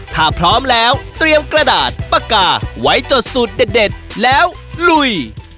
ถ้าพร้อมแล้วเตรียมกระดาษปากกาไว้จดสูตรเด็ดแล้วลุย